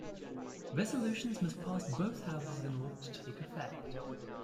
Resolutions must pass both houses in order to take effect.